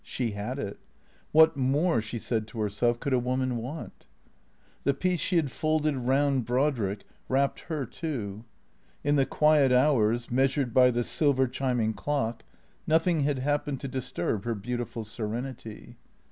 She had it. What more, she said to herself, could a woman want? The peace she had folded round Brodrick wrapped her too. In the quiet hours, measured by the silver chiming clock, noth ing had happened to disturb her beautiful serenity.